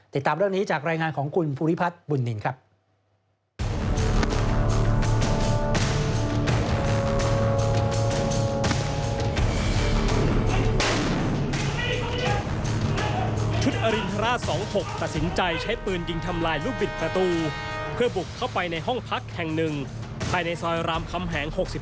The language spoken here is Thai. ติดตามเรื่องนี้จากรายงานของคุณภูริพัฒน์บุญนินครับ